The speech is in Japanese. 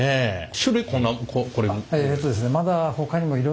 種類こんなこれぐらい？